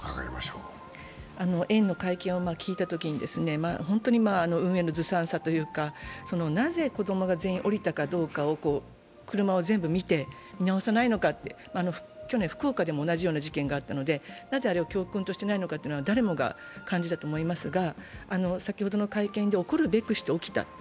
園の会見を聞いたときに、本当に運営のずさんさというか、なぜ子供が全員降りたかどうかを車を全部見て、見直さないのかと、去年、福岡でも同じような事件があったので、なぜあれを教訓としないのかと誰もが感じたと思いますが、先ほどの会見で、起こるべくして起きたと。